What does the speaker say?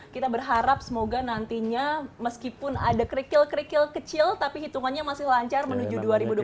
kita berharap semoga nantinya meskipun ada kerikil kerikil kecil tapi hitungannya masih lancar menuju dua ribu dua puluh empat